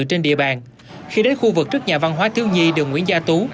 trên địa bàn khi đến khu vực trước nhà văn hóa thiếu nhi đường nguyễn gia tú